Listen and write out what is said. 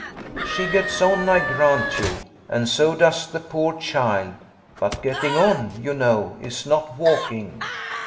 She gets on, I grant you, and so does the poor child; but, getting on, you know, is not walking.